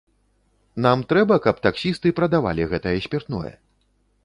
Нам трэба, каб таксісты прадавалі гэтае спіртное?